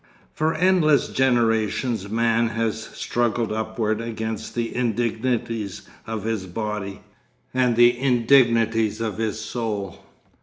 'For endless generations man has struggled upward against the indignities of his body—and the indignities of his soul.